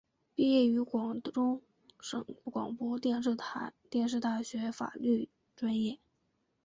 毕业于广东省广播电视大学法律专业。